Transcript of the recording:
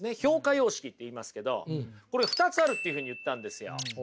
様式って言いますけどこれ２つあるっていうふうに言ったんですよ。